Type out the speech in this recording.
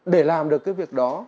để làm được cái việc đó